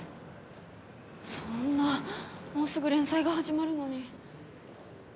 そんなもうすぐ連載が始まるのに。